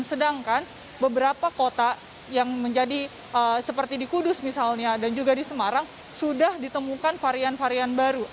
sedangkan beberapa kota yang menjadi seperti di kudus misalnya dan juga di semarang sudah ditemukan varian varian baru